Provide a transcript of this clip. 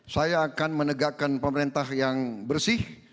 saya akan menegakkan pemerintah yang bersih